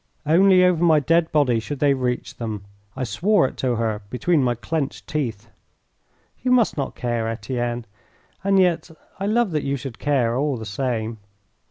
Only over my dead body should they reach them. I swore it to her between my clenched teeth. "You must not care, Etienne. And yet I love that you should care all the same."